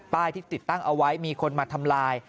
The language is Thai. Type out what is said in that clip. ที่ติดตั้งเอาไว้มีคนมาทำลาย